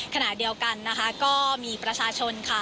ขณะเดียวกันนะคะก็มีประชาชนค่ะ